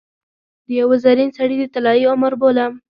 د یوه زرین سړي د طلايي عمر بولم.